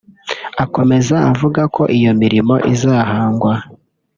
Akomeza avuga ko iyo mirimo izahangwa